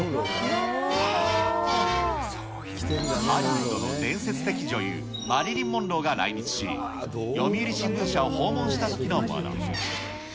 ハリウッドの伝説的女優、マリリン・モンローが来日し、読売新聞社を訪問したときのもの。